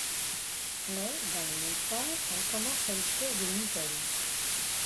Mais dans le même temps elle commence à écrire des nouvelles.